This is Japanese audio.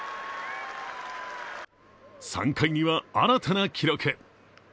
３回には新たな記録。